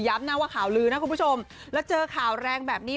นะว่าข่าวลือนะคุณผู้ชมแล้วเจอข่าวแรงแบบนี้